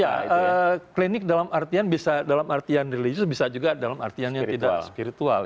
ya klinik dalam artian bisa dalam artian religius bisa juga dalam artian yang tidak spiritual